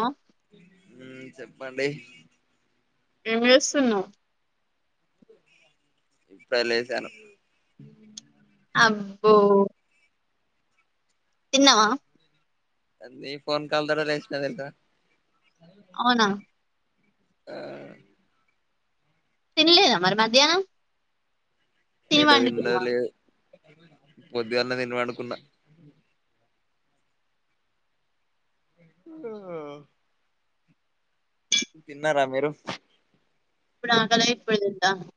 ఆ ఉ చెప్పండి. ఏం చేస్తున్నావ్? ఇప్పుడే లేసాను. అబ్బో తిన్నవా? నీ ఫోన్ కాల్ తోటే లేశినా తెలుసా. అవునా ఆ తిన్లేదా మరి మధ్యాహ్నం. తిని ఎడ పండుకున్నావా తిన్నదిలేదు. పొద్దుగాలనే తిని పడుకున్నా. ఆహ తిన్నరా మీరు? ఇప్పుడు ఆకలై ఇప్పుడే తింటన్నా.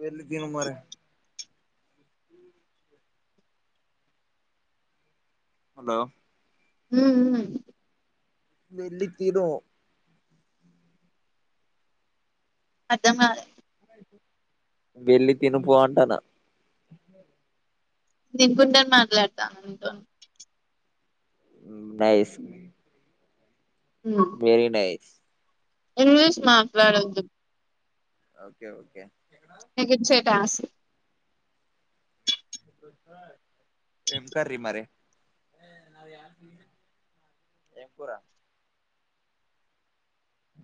వేళ్ళి తిను మరీ. హలో హు హూ వెళ్ళి తిను. అర్థం కాలే. వెళ్ళి తినుపో అంటనా. తినుకుంటనే మాట్లాడతాన్నా నీతోని. హ్మ్ nice. Um very nice. English మాట్లాడద్దు. ఓకే ఓకే నీకు ఇచ్చే టాస్క్. ఏం కర్రీ మరి. ఎంకురా?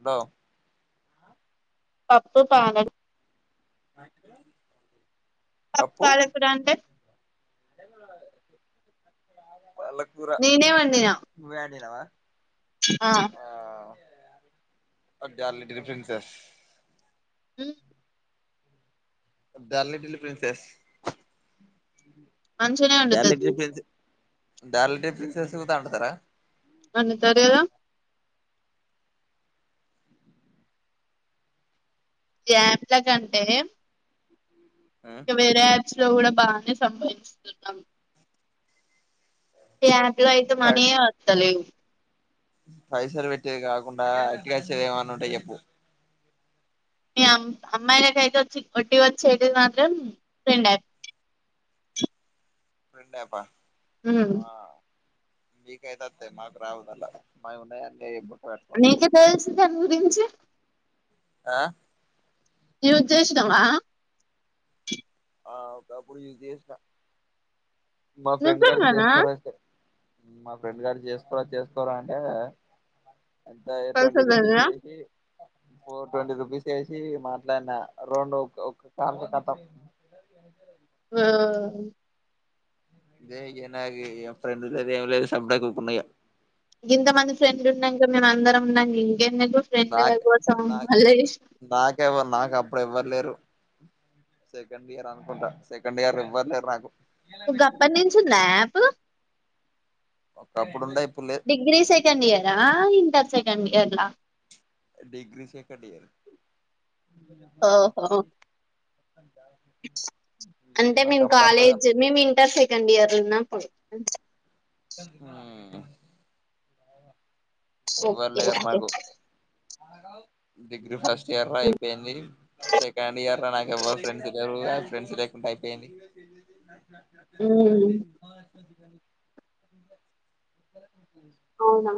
హలో పప్పు పా [unintelligible] అంటే పప్పు పాలకూర అంటే. పాలకూర నేనే వండినా నువ్వే అండినావా. ఆ డాడీ లిటిల్ ప్రిన్సెస్. హ్ డాడీ లిట్టిల్ ప్రిన్సెస్. మంచిగనే డాడీ వండుతది little princess daddy little princess కూడా అండుతరా. వండుతారు కదా జంట్ల కంటే ఆ ఇంకా వేరే యాప్ లో కూడా బానే సంపాదిస్తున్నావ్ ఈ యాప్ లో ఐతే పై మనీయే వస్తలేవు పైసలు పెట్టేది కాకుండా వట్టిగా వచ్చేదేమని ఉంటే చెప్పు మీమ్ అమ్మాయిలకు అయితే ఒట్టి వచ్చేది మాత్రం ఫ్రెండు యాప్ ఫ్రెండ్ అప్ ఆ హమ్ మేకైతే వస్తాయి మాకు రావు మల్ల మాయి ఉన్నయన్ని మీకు ఎట్లా తెలుసు దాని గురించి ఆ యూస్ చేసినవా ఆ ఒకప్పుడు యూజ్ చేసిన మా ఫ్రెండ్ గాడు నిజంగానా చేసుకోరా చెస్ మా ఫ్రెండ్ గాడు చేసుకోరా చేసుకోరా అంటే అంత ట్వంటీ రూపీస్ పైసలేనా వేసి ఫోర్ ట్వంటీ రూపీస్ వేసి మాట్లాడిన రెండు ఒక కాల్ కతం ఏమైంది వండుకోలేదు ఆ ఇదే నాకు ఇగా ఫ్రెండు లేదు ఏం లేదు సప్పుడుగాక ఊకున్నాయిగా ఇంతమంది ఫ్రెండ్లు ఉండంగా మేము అందరం ఉండంగా ఇంకేం నాక నా నీకు నాకేమన్నా నాకు అప్పుడు ఎవ్వరులేరు సెకండ్ ఇయర్ అనుకుంటా సెకండ్ ఇయర్ ఎవ్వరు లేరు నాకు ఓ గప్పట్నుంచి ఉందా ఆ అప్ ఒకప్పుడు ఉండే ఇప్పుడు లేదు డిగ్రీ సెకండ్ ఇయరా ఇంటర్ సెకండ్ ఇయర్లా డిగ్రీ సెకండ్ ఇయరు ఓహో అంటే నాకు మేము అప్పుడు అంతగా కాలేజ్ మేము ఇంటర్ సెకండ్ ఇయర్ లోఉన్నప్పుడు అ [unintelligible] హమ్ ఓకే ఎవ్వర్లేరు ఓకే నాకు డిగ్రీ ఫస్ట్ ఫస్ట్ ఇయర్ అయిపోయింది సెకండ్ ఇయర్ లో నాకు ఎవరు ఫ్రెండ్స్ లేరు ఇగా ఫ్రెండ్స్ లేకుండా అయిపోయింది ఉమ్ [unintelligible] అవునా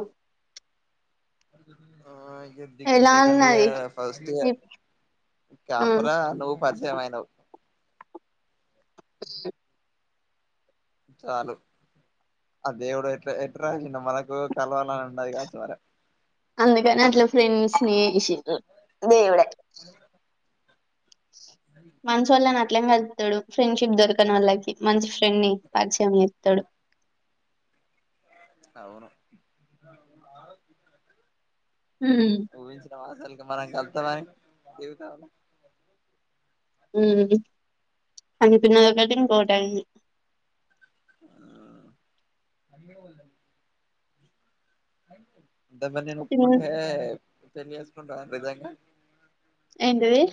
ఆ ఇగా డిగ్రీ ఎలా సెకండ్ ఉన్నది ఇయర్ ఫస్ట్ లో ఇప్ ఉమ్ కపరా నువు పరిచయం అయినవ్ అ [unintelligible] చాలు ఆ దేవుడు ఎట్లా ఎట్లా రాసిడో మనకు కలవాలని ఉన్నది కావచ్చు మరి అందుకని అట్ల ఫ్రెండ్స్ ని చేసింది దేవుడే అంది కూడా కరెక్ట్ మంచి వాళ్ళని అట్లనే కలుపుతాడు ఫ్రెండ్షిప్ దొరకనోళ్లకి మంచి ఫ్రెండ్ ని పరిచయం చేస్తాడు [inaudible] అవును ఉమ్ ఊహించినవాసాలు మనం కలుస్తామని జీవితంలో హమ్ అనుకున్నదొకటి ఇంకొకటి అయింది ఆ అంటే నేను ఉమ్ ఒప్పుకుంటే పెళ్లి చేసుకుంటావా నిజంగా ఏంటిది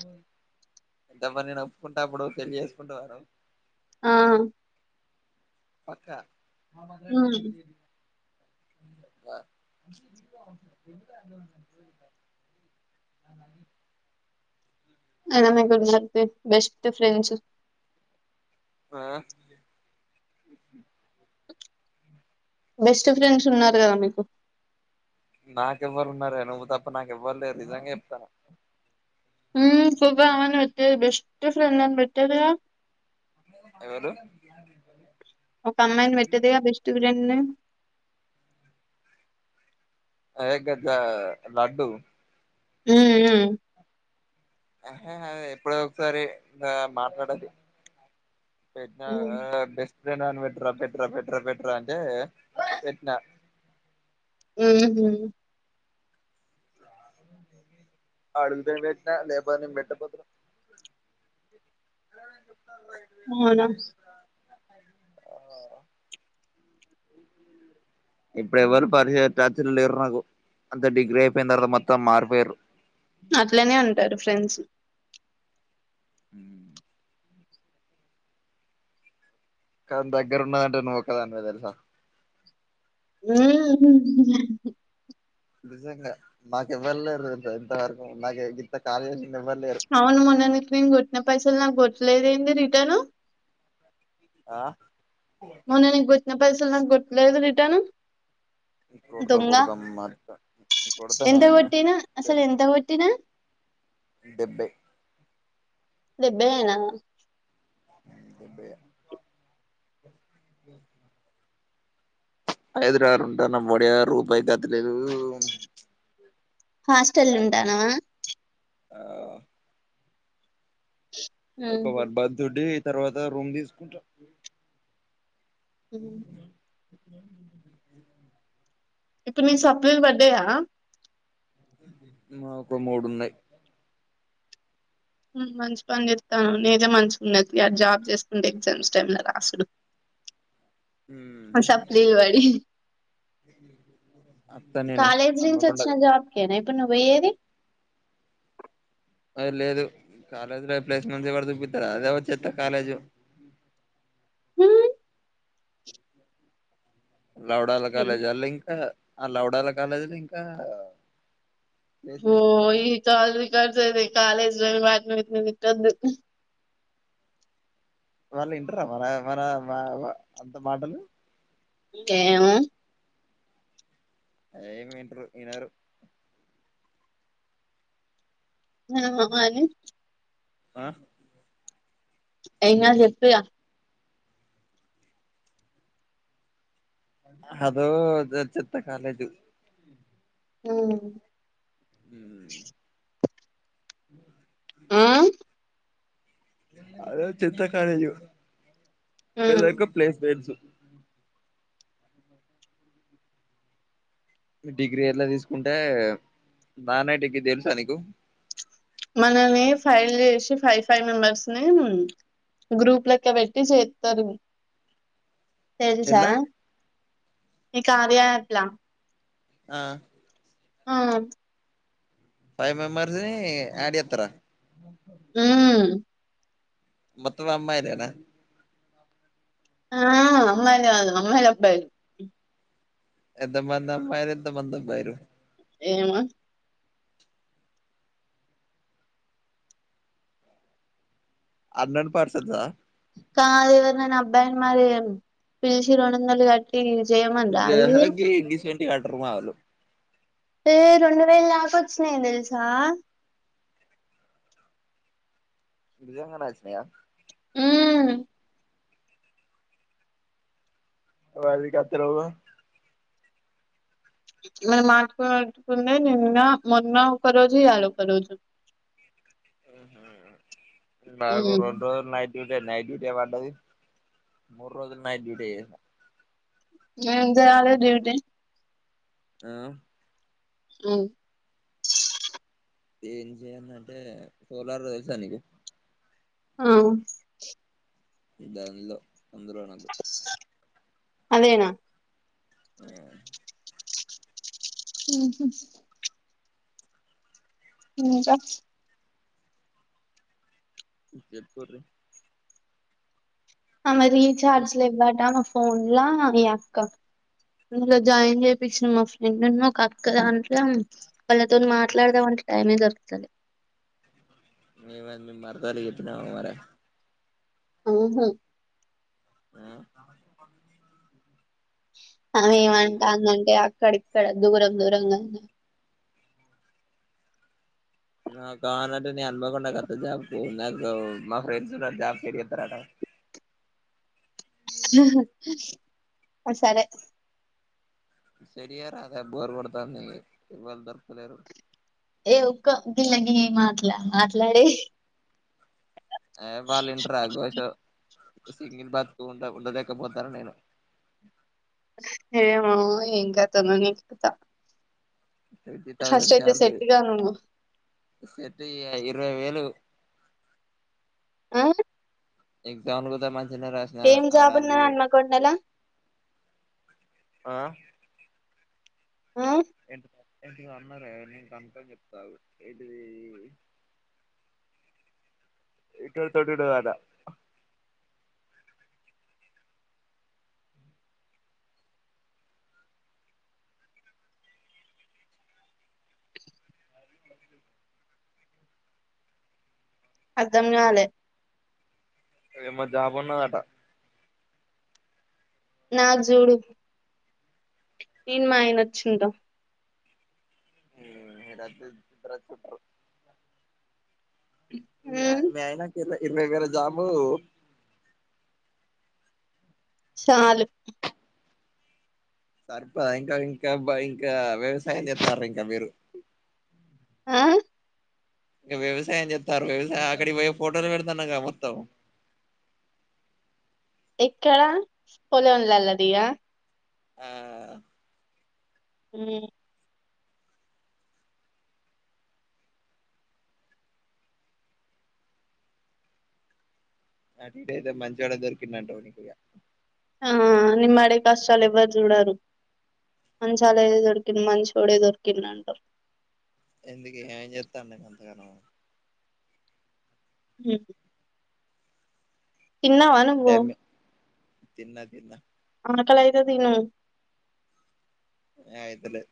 అంటే మరి నిను ఒప్పుకుంటే అప్పుడు పెళ్లి చేసుకుంటానా నన్ను ఆ పక్కా [unintelligible] అ [unintelligible] అయినా మీకు ఉన్నరు బెస్ట్ ఫ్రెండ్స్ ఆ బెస్ట్ ఫ్రెండ్స్ ఉన్నారు కదా మీకు నాకెవ్వరు ఉన్నారే నువ్వు తప్ప నాకేవ్వరులేరు నిజంగా చెప్తున్నా సుధా అవన్నీ పెట్టేది బెస్ట్ ఫ్రెండ్ అని పెట్టేదిగా ఎవలు ఒక అమ్మాయిని పెట్టది గా బెస్ట్ ఫ్రెండ్ అని అదే గద లడ్డు హ హు ఎప్పుడో ఒకసారి మాట్లాడది నా ఉమ్ బెస్ ఫ్రెండ్ పెట్రా పెట్రా పెట్రా అని అంటే పెట్టిన హు హామ్ అడుగుతానే పెట్టిన లేకపోతే నేను పెట్టకపోదును అవునా ఆ ఇప్పుడ ఎవరూ పర్య టచ్ లో లేరు నాకు అంత డిగ్రీ అయిపోయిన తర్వాత మొత్తం మారిపోయిర్రు అట్లనే ఉంటారు ఫ్రెండ్స్ ఉ కానీ దగ్గరున్నదంటే నువ్వు ఒక్కదానివే తెలుసా ఉమ్ హు నిజంగా నాకు ఏవ్వలేరు తెలుసా ఇంతవరకు నాకు ఇంత కాలే అవును మొన్న నీకు నేను కొట్టిన పైసలు నాకు కొట్టలేదేంది రిటర్ను ఆ మొన్న నీకు కొట్టిన పైసలు నాకు కొట్టలేదు రిటర్న్ కొడతా దొంగ కొడదాం మర్చి కొడతానే ఎంత కొట్టినా అసలు ఎంత కొట్టినా డేబై డేబై అయినా డేబైయే హైదరాబాద్ ల ఉంటాన ఒడియా రూపాయి గతి లేదు హాస్టల్ల ఉంటానవా ఆ ఒక ఉహు వన్ మంత్ ఉండి తర్వాత రూమ్ తీసుకుంటా [inaudible] ఇప్పుడు మీ సప్లీలు పడ్డాయా ఒక మూడు ఉన్నాయి మంచి పని చేస్తానవ్ నీదే మంచిగున్నతి జాబ్ చేసుకుంటే ఎగ్జామ్స్ టైమ్ లో రాసుడు [inaudible] ఆ సప్లీలు పడి అత్తనేను కాలేజ్ నుంచి వచ్చిన హన్మకొండకు జాబ్ కేనా ఇప్పుడు నువ్వు పోయేది అది లేదు కాలేజీ లో ప్లేస్మె ఎవరు చూపితారు అదే చెత్త కాలేజ్ [inaudible] మ్మ్. లవడాల కాలేజ్ అల్లా ఇంకా ఆ లవడాల కాలేజీలు ఇంకా ప్లేస్మెంట్స్ కుదన్నా ఓయ్ కాల్ రికార్డ్స్ అయితయి కాలేజీలు వాటిని వీటిని తిట్టొద్దు వాళ్ళు ఇంటరా మన మన మా అంత మాటలు ఏమో ఏమి వింటరు వినరు ఆ మ మ ని ఆ ఎం కాదు చెప్పు ఇగ అదో చెత్త కాలేజు ఉమ్ ఉమ్ [inaudible] అ అదో చెత్త కాలేజు ఇంకో ప్లేస్ మెంట్స్ డిగ్రీ ఎల్ల తీస్కుంటే దనైటికి తెల్స నీకు మనమే ఫైల్ చేషి ఫైవ్ ఫైవ్ మెంబర్స్ నీ గ్రూప్ లెక్క పెట్టి చేత్తారు తెల్సా ఎట్లా ఈ కార్య యాప్ ల ఆ ఆ ఫైవ్ మెంబర్స్ నీ యాడ్ చేత్తర ఊమ్ మొత్తం అమ్మాయిలేన ఆ అమ్మాయికాదు అమ్మాయిది అబ్బాయిలు ఎంత మంది అమ్మాయిలు ఎంత మంది అబ్బాయిలు ఏమో అన్రేడ్ పర్సన్స కాదు ఎవర్నన్న అబ్బాయిన్ మరీ పిలిచి రొండొందలు కట్టీ తిస్ చై మన్రాదిది ఇగ అంటారు మాలు ఏ రెండు వేల్ దాకొచ్చినయ్ తెల్సా నిజంగానే అచ్చినాయ ఊమ్ వాలి కత్తలెవు ఇవాల మాట్లాడుకున్నది నిన్న మొన్న ఒక్క రోజు ఇయ్యాల ఒక రోజు [inaudible] నాకు ఉమ్ రొండ్రోజులు నైట్ ఇంటె నైట్ డ్యూటే పడ్డది మూర్రోజులు నైట్ డ్యూటే చేసిన ఏం చేయాలె డ్యూటి ఆ ఉమ్ ఏం చేయల్నాంటే సోలార్ తెల్సా నీకు ఉమ్ దాన్లో అందరూ నాకు అదేన ఉమ్ ఊహు ఇంక చెప్పొర్రి ఆమె రీచార్జ్ లెవ్వటా ఫోన్లా మిఅక్క ఇందులొ జాయిన్ చేపించిన మా ఫ్రెండు న్ను ఒకక్క దాంట్ల వాళ్ళతోన్ మాట్లాడదాం అంటె టైమే సరిపోతాలె మే మెందు మీ మరదల్కు చెప్పినా మరే హు హు ఆ ఆమె ఎందుకు ఏమంటాందంటే అక్కడిక్కడ దూరం దూరంగా నా కానటే నేన్ అనుకోకుండ కాస్త జాబ్ పో నాకూ మా ఫ్రెండ్స్ ఉన్నరు జాబ్ చేపిత్తరట [inaudible] సరే [unintelligible] ఏ ఊకో గిల్లి గా మాట్లాడీ ఏ వాళ్ళ ఇంటరా ఘోషో సింగిల్ బతుకు ఉండ ఉండలేకపోతాను నేను ఏమో ఎం కథనో [unintelligible] ట్వంటీ ఫస్ట్ తౌసండ్ అయితే సాలరి సెట్ గా నువ్వు [unintelligible] ఇరవై వేలు ఆ [unintelligible] మంచి ఎం జాబ్ ఉన్న [unintelligible] ఆ ఆ ఎం ఏంటి అన్నారే నీకు అంత చెప్తావు ఆగు ఏంటది ఇక్క [unintelligible] హా అర్థం కాలే ఎం జాబున్నదట నాకు జూడు ఈను మాయన వచ్చిం [unintelligible] [unintelligible] ఉమ్ [unintelligible] ఇరవై వేలు జాబు చాలు సరిపాయ ఇంకా ఇంకా ఇంకా వ్యవసాయం చేస్తారు ఇంకా మీరు ఆ ఇక వ్యవసాయం చెస్తారు వ్యవసాయం అక్కడికి పోయి ఫొటోలు పెడుతున్న గా మొత్తం [inaudible] ఎక్కడ పొలం లా దిగా ఆ హు అటు ఇటు అయితే మంచోడో దొరికిండట వాడికిగ ఆ నిన్న అడిగితే అసలు ఎవ్వరు చూడరు మంచోడు దొరికింది మంచోడే దొరికింద అంట ఎందుకే ఏ చెత్తన్నావ్ అంతగాను హు తిన్నావా నువ్వు తిన్న తిన్నా ఆకలి అయితే తిను అయితలే